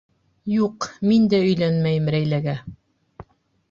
Юҡ, мин дә өйләнмәйем Рәйләгә.